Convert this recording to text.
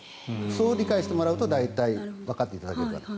そう理解してもらうと大体わかっていただけるかと。